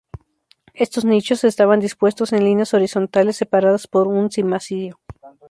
Estos nichos estaban dispuestos en líneas horizontales, separadas por un cimacio.